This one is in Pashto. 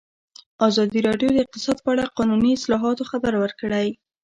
ازادي راډیو د اقتصاد په اړه د قانوني اصلاحاتو خبر ورکړی.